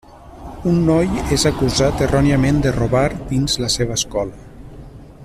Un noi és acusat erròniament de robar dins la seva escola.